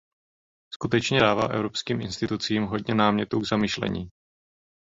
Skutečně dává evropským institucím hodně námětů k zamyšlení.